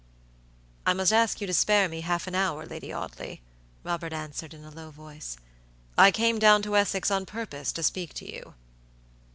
"I must ask you to spare me half an hour, Lady Audley," Robert answered, in a low voice. "I came down to Essex on purpose to speak to you."